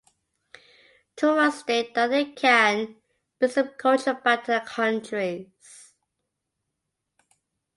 Tourists state that they can bring some culture back to their countries.